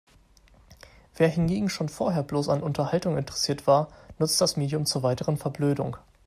Wer hingegen schon vorher bloß an Unterhaltung interessiert war, nutzt das Medium zur weiteren Verblödung.